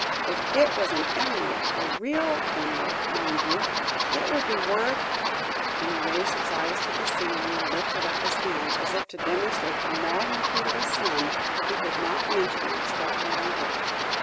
if it was an emerald, a real emerald, mind you, it would be worth" and he raised his eyes to the ceiling, and lifted up his hands, as if to demonstrate the magnitude of a sum he could not mention in spoken language.